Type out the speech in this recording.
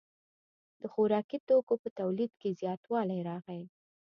د خوراکي توکو په تولید کې زیاتوالی راغی.